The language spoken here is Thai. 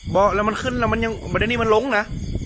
บอกแล้วมันขึ้นแล้วมันยังแบบนี้มันลงนะ